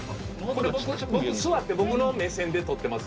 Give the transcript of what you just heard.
これ僕座って僕の目線で撮ってます